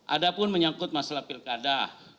ada pun menyangkut masalah pilkada